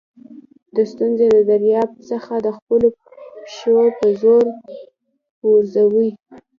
د ستونزي له دریاب څخه د خپلو پښو په زور پورېوځئ!